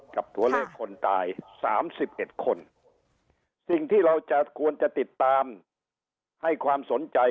กับตัวเลขคนตาย๓๑คนสิ่งที่เราควรจะติดตามให้ความสนใจ